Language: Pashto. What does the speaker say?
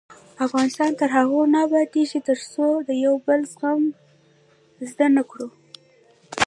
افغانستان تر هغو نه ابادیږي، ترڅو د یو بل زغمل زده نکړو.